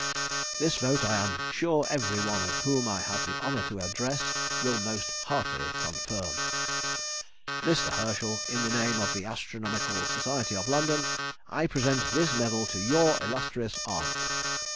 This vote I am sure every one whom I have the honour to address will most heartily confirm. Mr. Herschel, in the name of the Astronomical Society of London, I present this medal to your illustrious aunt.